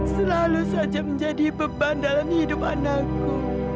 selalu saja menjadi beban dalam hidup anakku